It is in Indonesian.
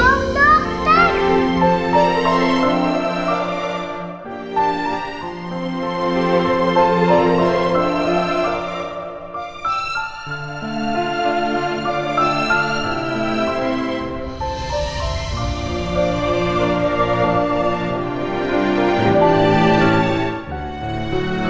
seseorang panggil sama sama